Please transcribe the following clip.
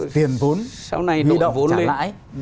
tiền vốn huy động trả lãi